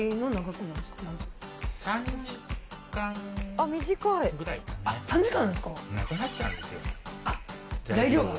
あっ３時間なんですか？